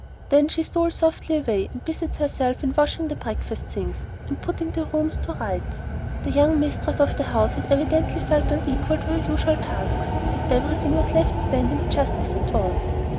Then she stole softly away and busied herself in washing the breakfast things and putting the rooms to rights. The young mistress of the house had evidently felt unequal to her usual tasks, and everything was left standing just as it was.